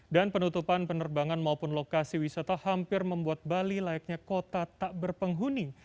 dan penutupan penerbangan maupun lokasi wisata hampir membuat bali layaknya kota tak berpenghuni